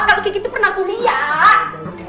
kalau gigi itu pernah kuliah